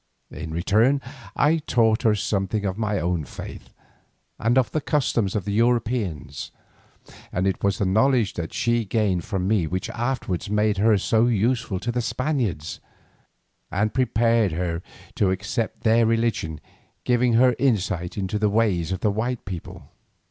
In return I taught her something of my own faith, and of the customs of the Europeans, and it was the knowledge that she gained from me which afterwards made her so useful to the Spaniards, and prepared her to accept their religion, giving her insight into the ways of white people.